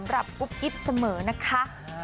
เอาไปว่า